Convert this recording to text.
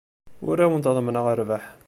Ur awent-ḍemmneɣ rrbeḥ.